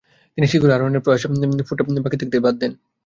তিনি শিখরে আরোহণের প্রয়াস কয়েকশ ফুট বাকি থাকতেই বাদ দেন।